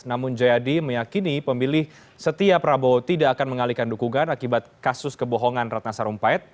namun jayadi meyakini pemilih setia prabowo tidak akan mengalihkan dukungan akibat kasus kebohongan ratna sarumpait